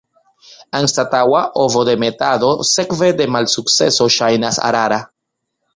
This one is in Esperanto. Anstataŭa ovodemetado sekve de malsukceso ŝajnas rara.